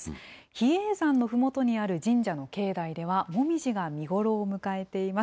比叡山のふもとにある神社の境内では、もみじが見頃を迎えています。